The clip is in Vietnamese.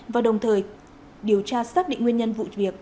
và đồng thời điều tra xác định nguyên nhân vụ việc